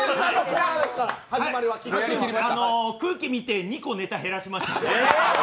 あの空気見て、２個ネタ減らしました。